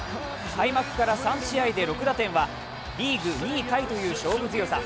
開幕から３試合で６打点はリーグ２位タイという勝負強さ。